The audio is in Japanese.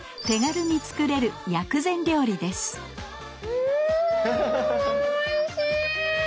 うんおいしい！